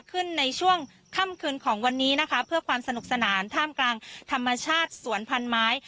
ขึ้นในช่วงค่ำคืนของวันนี้นะคะเพื่อความสนุกสนานท่ามกลางธรรมชาติสวนพันไม้